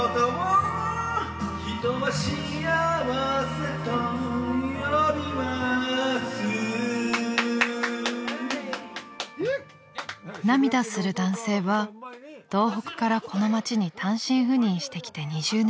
「人は仕合わせと呼びます」［涙する男性は東北からこの街に単身赴任してきて２０年］